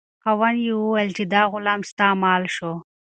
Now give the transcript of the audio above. خاوند یې وویل چې دا غلام ستا مال شو.